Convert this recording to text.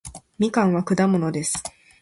みかんは果物です